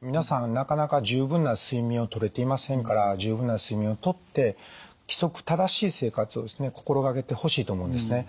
皆さんなかなか十分な睡眠をとれていませんから十分な睡眠をとって規則正しい生活をですね心がけてほしいと思うんですね。